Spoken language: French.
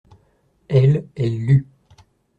Elle, elle lut.